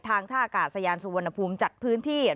ท่ากาศยานสุวรรณภูมิจัดพื้นที่